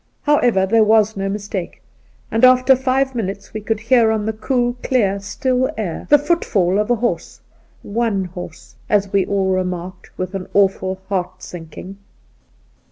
However, there was no mistake, and after five minutes we could hear on the cool, clear^ still air the footfall of a 64 Soltke horse— one horse, as we all remarked with an awful heart sinking.